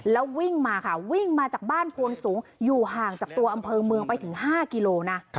แล้ววิ่งมาค่ะวิ่งมาจากบ้านโพนสูงอยู่ห่างจากตัวอำเภอเมืองไปถึง๕กิโลนะ